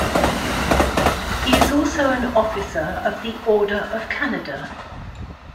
He is also an Officer of the Order of Canada.